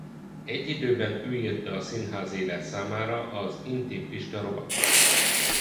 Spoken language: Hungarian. Egy időben ő írta a Színházi Élet számára az Intim Pista rovatot.